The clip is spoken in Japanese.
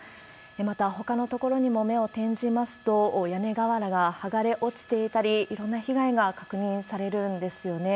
また、ほかの所にも目を転じますと、屋根瓦が剥がれ落ちていたり、いろんな被害が確認されるんですよね。